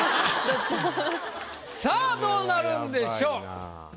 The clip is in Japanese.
さぁどうなるんでしょう？